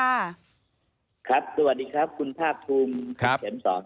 ครับสวัสดีครับคุณภาพภูมิ๑๒ครับ